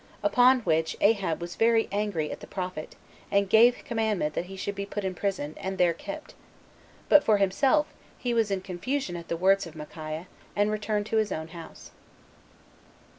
Upon which Ahab was very angry at the prophet, and gave commandment that he should be put in prison, and there kept; but for himself, he was in confusion at the words of Micaiah, and returned to his own house.